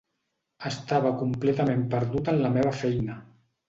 Estava completament perdut en la meva feina.